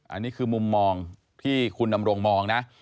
อันนี้คือมุมมองที่คุณดำรงมองนะ